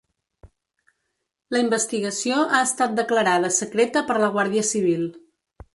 La investigació ha estat declarada secreta per la guàrdia civil.